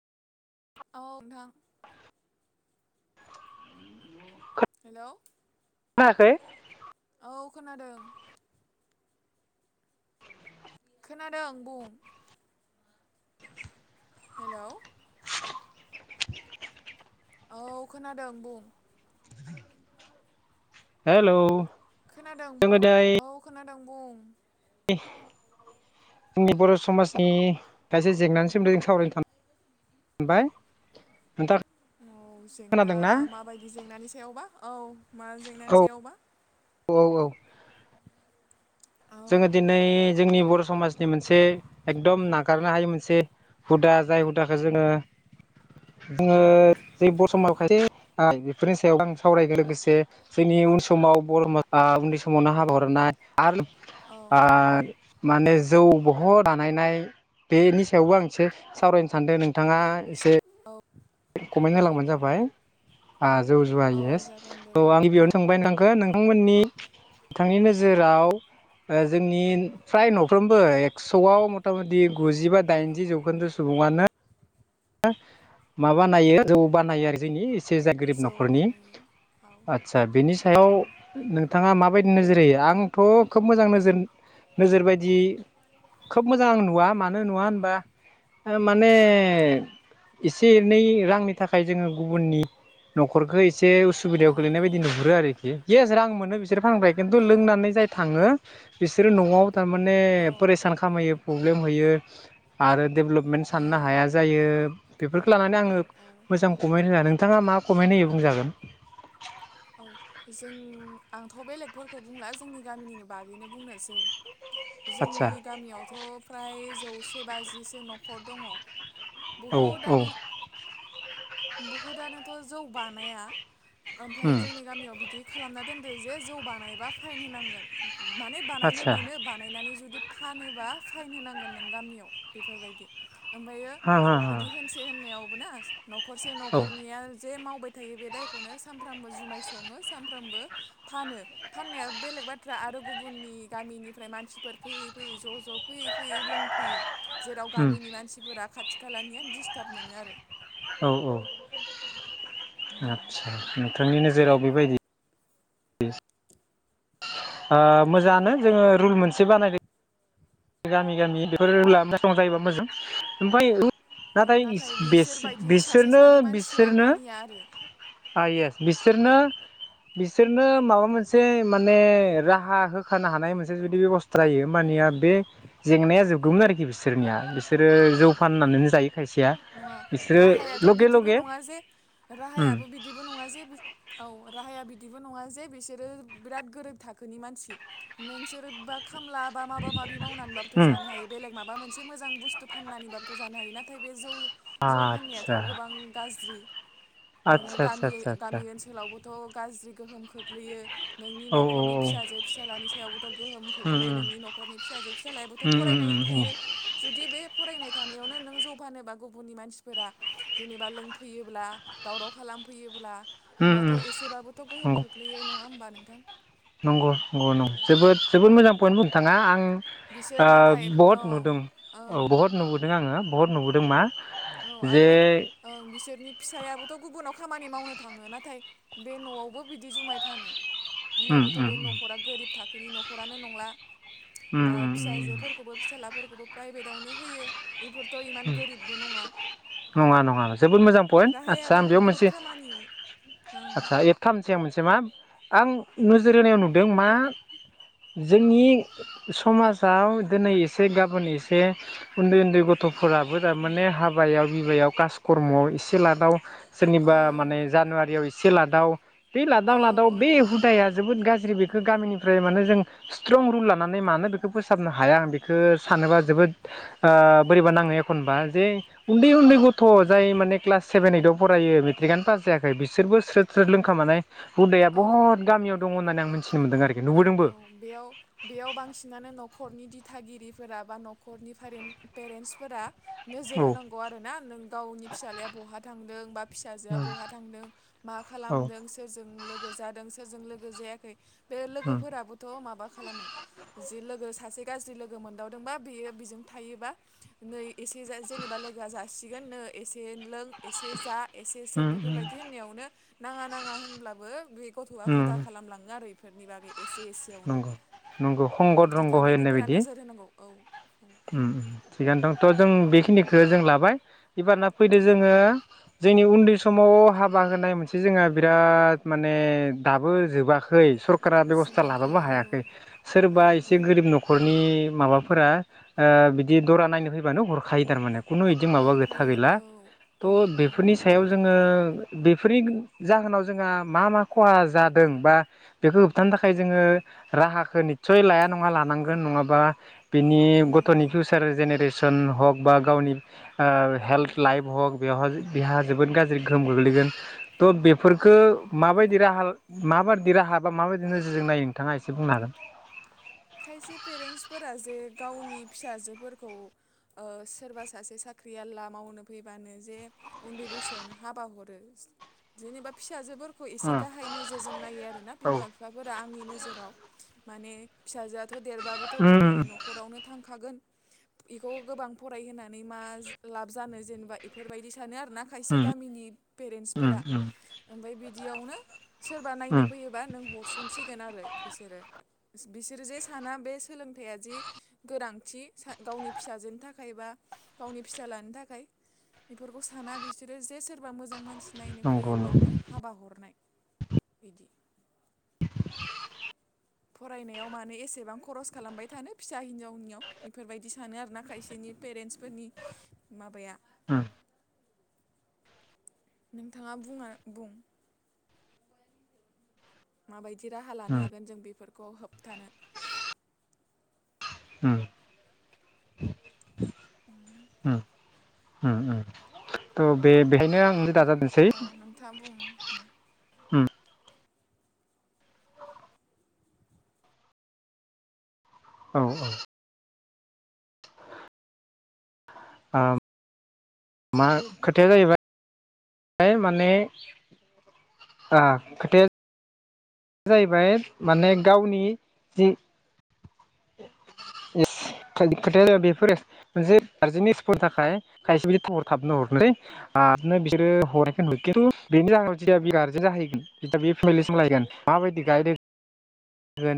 औ नोंथां हेलौ खोनाखै औ खोनादों खोनादों बुं हेलौ औ खोनादों बुं हेल खोनादों बुं औ खोनादों बुं जोंनि बर समाजनि खायसे जेंनानि सोमोन्दै जों सावरायनो थां ओमफाय नोंथां औ जेंना माबायदि जेंनानि सायावबा औ मा औ जेंनानि सायावबा औ औ औ जोङो दिनै जोंनि बर' समाजनि मोनसे एकदम नागारनो हायि मोनसे हुदा जाय हुदाखौ जोङो जोङो जै बरसमाव खायसे आ बेफोरनि सायाव आं सावरायगोन लोगोसे जोंनि उन समाव बर माखा उन्दै समावनो हाबा हरना आरो औ [unintelligible] माने जौ बह बानायनाय बेनि सायावबो आं एसे सावरायनो सानदों नों थाङा इसे औ कमेन औ होलांबानो जाबाय आ जौ जुवा औ येस जागोन दे औ बुं आं नोंथां गिबियावनो सोंबाय नोंथांखो उम नोंथांमोननि थांनि नोजोर जेराव ओ जोंनि फ्राय न'फ्रोमबो एक्सआव मत नो म बानायो जौ बानायो आरो जोंनि [unintelligible] सेजा गोरिब जौ न'खरनि बानायो औ आतसा बेनि सायाव औ नोंथाङा मा बायदि नोजोर होयो आंथ' खोब मोजां नोजोर-नोजोर बायदि। खोब मोजां आं नुवा मानो नुवा होनबा ओ माने इसे एनै रांनि थाखाय जोङो गुबुननि न'खरखौ ए से उसुबिदायाव औ गोलैनाय बायदि नुहुरोआरोखि येस रां मोनो बिसोर फानग्रा किन्तु औ लोंनानै जाय थाङो। बिसोरो न'आव थारमाने औ पोरेसान खामहोयो। पब्लेम होयो आरो डेभलपमेन्ट साननो हाया जायो। औ बेफोरखो लानानै आङो औ मोजां कमेन्ट होनाया नोंथाङा मा कमेन्ट होयो बुंजागोन। औ जों आंथ' बेलेगफोरखौ बुंला जोंनि गामिनिनो बागैनो बुंनोसै। आदसा जोंनि गामियावथ' फ्राय जौसे बाजिसो न'खर दङ। औ औ बुहुदानो बुहुदानोथ' जौ बानाया। ओमफाय उम जोंनि गामियाव बिदि खालामना दोनदो जे जौ बानायबा फाइन होनांगोन। माने बानायनो आदसा मोनो बानायनानै जुदि फानोबा फाइन होनांगोन नों गामियाव बेफोरबायदि। ओमफायो हा हा हा बिदि होनसे होननायावबो ना न'खरसे औ न'खरनिया जे मावबाय थायो बे दायखौनो सामफ्रामबो जुमाय सङो सामफ्रामबो फानो फाननाया बेलेग बाथ्रा आरो गुबुननि गामिनिफ्राय मानसिफोर फैयै-फैयै, ज'-ज'। फैयै-फैयै लोंफैयो जेराव उम गामिनि मानसिफोरा खाथि खालानिया दिस्टाब मोनो आरो। औ-औ आतसा नोंथांनि नोजोराव बेबायदि ओ औ मोजाङानो जोङो रुल मोनसे बानाय गामि-गामि बेफोर [inaudible] औ नाथाय इस बिसोर बायदि सासे सानै मानसिया बेस-बिसोरनो-बिसोरनो मानिया आरो आ ये बिसोरनो-बिसोरनो माबा मोनसे माने राहा हो खानो हानाय मोनसे जुदि बेबस्था जायो ओमबानिया बे जेंनाया जोबगौमोन आरोखि बिसोरनिया बिसोरो जौ फाननानैनो जायो खायसेया नङा बिसोरो राहायाथ' लगे बिदिबो लगे नङा जे उम राहायाबो बिदिबो नङा जे बि औ। राहाया बिदिबो नङा जे बिसोरो बिराद गोरोब थाखोनि मानसि नोंसोरो बा खामला बा माबा माबि मावनानैबोथ' उम जानो हायो बेलेग माबा मोनसे मोजां बुस्थु फाननानैबाबोथ' जानो हायो नाथाय बे जौ-जौ फाननायाथ' आदसा गोबां गाज्रि। नोङो आदसा आदसा आदसा आदसा गामि-गामि ओनसोलावबोथ' गाज्रि गोहोम खोख्लैयो नोंनि औ न'खरनि औ फिसाजो-फिसालानि सायावबोथ' गोहोम उम खोख्लैयो नोंनि नखरनि फिसा जाजो फिसालायाबोथ उम उम फरायनाय उम थायो जुदि बे फरायनाय थानायावनो नों जौ फानोबा गुबुननि मानसिफोरा जेनेबा लोंफैयोब्ला दावराव खालामफैयोब्ला। उम उम होमबाथ' एसेबाबोथ' गोहोम खोख्लैयो नङा होमबा नोंथां? नंग नंग नं औ जोबोद जोबोद मोजां पइन्ट बुं थाङा आं बिसोर ओ नाथाय औ बहुद नुदों ओं औ बहुत नुबोदों आङो बहुत नुबोदों मा औ जे आरो ओं बिसोरनि फिसायाबोथ' गुबुनाव खामानि मावनो थाङो नाथाय बे न'आवबो बिदि जुमाय फानो। उम होमबाबोथ' उम बे न'खरा गोरिब थाखोनि न'खरानो नंला। उम बा उम उम फिसाजोफोरखौबो फिसालाफोरखौबो प्राइभेटावनो होयो। बेफोरथ' इमान गोरिबबो नङा। नङा-नङा जोबोद मोजां पइन्ट राहाया आतसा आं दं बेयाव बुहुद मोनसे खामानि ओं आतसा एफथामसेयाव मोनसे मा आं नोजोर होनायाव नुदों मा जोंनि समाजाव दिनै एसे गाबोन एसे उन्दै-उन्दै ग' फोराबो थारमाने हाबायाव बिबायाव कासकर्म'आव एसे लादाव औ सोरनिबा माने जानुवारियाव एसे लादाव बे औ लादाव-लादाव औ बे हुदाया जोबोद गा ज्रि बेखौ गामिनिफ्राय माने जों स्ट्रं रुल लानानै मानो बेखौ फोसाबनो हाया आं बेखौ सानोबा जोबो बोद ओ बोरैबा नाङो एखनबा जे उन्दै-उन्दै गथ' जाय माने क्लास सेभेन ओइदआव फरायो मेट्रिकआनो पास जायाखै बिसोरबो स्रोद-स्रोद औ लोंख मानाय हुदाया औ बहुत गामियाव दङ होननानै आं मो औ - औ बेयाव बेयाव बांसिनानो न'खरनि दि फ थागिरिफोरा बा न'खरनि पेरेन्टसफोरा नोजोर औ होनांगौ आरो ना नों गावनि फिसाज्लाया बहा थांदों बा फिसाजोआ उम बहा थांदों मा औ खालामदों सोरजों लोगो जादों ज लोगो जायाखै बे उम लोगोफोराबोथ' माबा खालामो जि लोगो सासे गाज्रि लोगो मोनदावदोंबा बेयो बेजों थायोबा नै एसे जेनेबा लोगोआ जासि थिगोन नो एसे लों एसे जा एसे सोब उम उम बेफोरबायदि होननायावनो नाङा नाङा होनब्लाबो बे गथ'आ उम हुदा खालामलाङो आरो बेफोरनि बागै एसे एसेयावनो नंगौ नंगौ संगद रंग हो होननाय दिथागिरिफोरा बायदि नोजोर होनांगौ औ औ थिगानो दंथ' जों बे खनिखौ जों लाबाय एबारा फैदो औ जोङो जोंनि उन्दै समाव हाबा होनाय मोनसे जोंहा बिराद माने दाबो जोबाखै सरकारा बेब'स्था जोबाखै लाबाबो औ हायाखै सोरबा एसे हायाखै गोरिब न'खरनि माबाफोरा बिदि दरा नायनो फैबानो हरखायो थारमाने खुनु बिदि माबा खोथा हरखायो गैला औ औ थ' औ बेफोरनि सायाव जोङो बेफोरनि जाहोनाव जोंहा मा मा खहा जादों बा बेखौ होबथानो थाखाय थाखाय जोङो राहाखौ निस्सय लाया नङा लानांगोन नङाबा बिनि गथ'नि लानांगौ फिउसार जेनेरेसन हग बा गावनि हेल्थ लाइफ हग बेवहा बेहा जोबोद गाज्रि गोहोम गोग्लैगोन थ' बेफोरफोरखौ औ माबायदि राहा माबायदि राहा बा माबायदि नोजोरजों नायो नोंथाङा एसे बुंनो हागोन खायसे पेरेन्टसफोरा जे गावनि फिसाजोफोरखौ सोरबा सासे सा साख्रियाला मावनो फैबानो जे उन्दै बैसोआवनो हाबा हरो जेबा फि फिसाजोफोरखौ एसे गाहाय नोजोरजों नायो आरोना औ बिमा- बिफाफोरा आंनि नोजोराव माने फिसाजोआथ' देरबाबोथ' उम गुबुननि न'खरावनो थांखागोन बेखौ गोबां फरायहोनानै मा लाब जानो जेनेबा बेफोरबायदि सानो खारना खायसे उम गामिनि उम पेरेन्टसफोरा उम ओमफ्राय बिदियावनो सोरबा नायनो उम फैयोबा नों हरसनसिगोन आरो बिसोरो बिसोरो जे साना बे सोलोंथाइया जि गोनांथि गावनि फिसाजोनि थाखायबा गावनि फिसा लानो थाखाय बेफोरखौ साना बिसोरो जे सोरबा मोजां मानसि नायनो नंगौ नंगौ फैयोब्लानो हाबा हरनाय बिदि [inaudible] फरायनायाव मानो एसेबां खरस खालामबाय थानो फिसा हिनजावनियाव बेफोरबायदि सानो आरोना खायसेनि पेरेन्टस फोरनि माबाया उम नोंथाङा बुङा बुं माबायदि राहा लानो हागोन जों बेफोरखौ होबथानो उम-उम उम- उम थ' बे बेहायनो आंनो दाजादोंसै औ नोंथाङा बुं औ - औ आ मा खोथाया जाहैबाय माने आ खोथाया बे जाहैबाय माने गावनि जि [inaudible] इ खोथाया जाब बेफोर मोनसे गारजेननि स्पनि थाखाय खायसे बिदि थ हर थाबनो हरनोसै आरनो बिसोरो हरनायखौ खिन्थु बेनि जाहोनाव जदिया बे गारजेन जाहैगोन ज बे फेमिलिसिम लायैगोन। माबायदि गायद